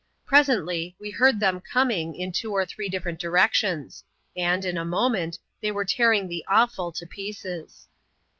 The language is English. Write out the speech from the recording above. Presently, we heard them coming, in two or three different directions; and, in a moment, they were tearing the offal to pieces.